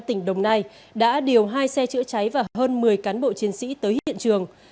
tỉnh đồng nai đã điều hai xe chữa cháy và hơn một mươi cán bộ chiến sĩ tới hiện trường